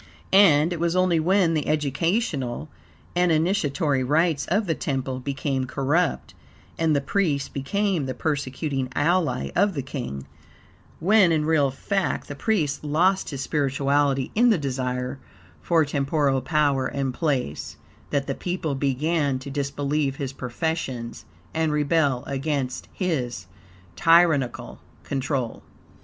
And it was only when the educational and initiatory rites of the temple became corrupt, and the priest became the persecuting ally of the king when, in real fact, the priest lost his spirituality in the desire for temporal power and place, that the people began to disbelieve his professions and rebel against his tyrannical control.